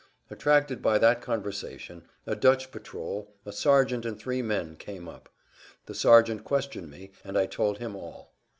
Attracted by that conversation, a Dutch patrol, a sergeant and three men, came up. The sergeant questioned me, and I told him all.